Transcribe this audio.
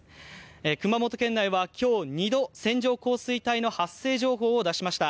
熊本県内は今日、２度線状降水帯の発生情報を出しました。